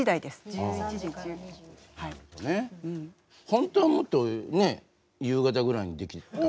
本当はもっとね夕方ぐらいにできたら。